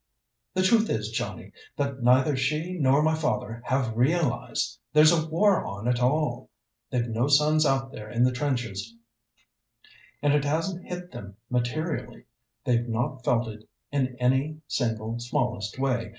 The truth is, Johnnie, that neither she nor my father have realized there's a war on at all. They've no sons out there in the trenches, and it hasn't hit them materially; they've not felt it in any single, smallest way.